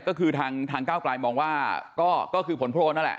ก็คือทางก้าวกลายมองว่าก็คือผลโพลนนั่นแหละ